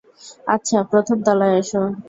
আচ্ছা প্রথম তলায় আসো।